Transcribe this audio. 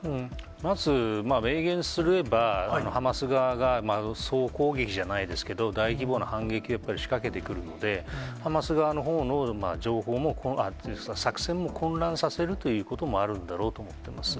まず、明言すればハマス側が総攻撃じゃないですけど、大規模な反撃をやっぱり仕掛けてくるので、ハマス側のほうの作戦も混乱させるということもあるんだろうと思ってます。